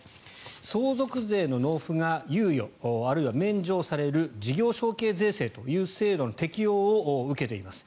相続税の納付が猶予あるいは免除される事業承継税制という制度の適用を受けています。